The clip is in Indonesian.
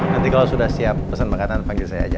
nanti kalo sudah siap pesen makanan panggil saya aja